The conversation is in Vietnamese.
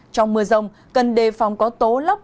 trong mưa rông cần đề phòng có tố lấp